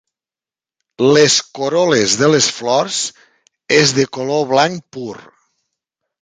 Les corol·les de les flors és de color blanc pur.